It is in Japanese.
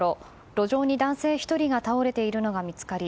路上に男性１人が倒れているのが見つかり